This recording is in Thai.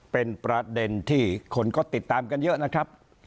เป็นประเด็นที่คนก็ติดตามกันเยอะนะครับ